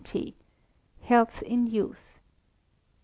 Health in Youth.